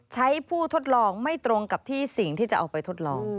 ใช้ผู้ทดลองไม่ตรงกับที่สิ่งที่จะเอาไปทดลอง